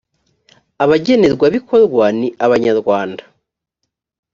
abagenerwabikorwa ni abanyarwanda